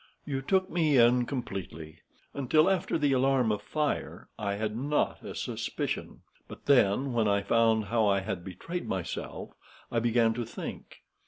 You took me in completely. Until after the alarm of the fire, I had not a suspicion. But then, when I found how I had betrayed myself, I began to think.